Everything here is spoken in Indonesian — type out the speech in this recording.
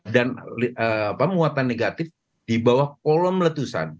dan muatan negatif di bawah kolom letusan